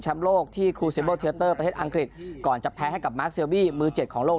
ช้ำโลกที่ประเทศอังกฤษก่อนจะแพ้ให้กับมือเจ็ดของโลก